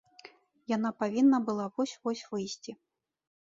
Яна павінна была вось-вось выйсці.